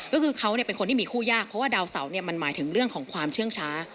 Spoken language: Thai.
ก็คือเขาเป็นคนที่มีคู่ยากเพราะว่าดาวเสาเนี่ยมันหมายถึงเรื่องของความเชื่องช้า